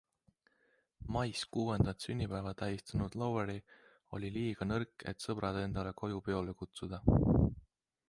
Mais kuuendat sünnipäeva tähistanud Lowery oli liiga nõrk, et sõbrad endale koju peole kutsuda.